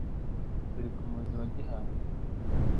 Turi ku muzi wa Gihanga.